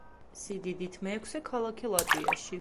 სიდიდით მეექვსე ქალაქი ლატვიაში.